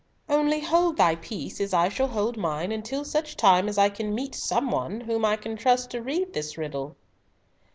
Only hold thy peace, as I shall hold mine, until such time as I can meet some one whom I can trust to read this riddle.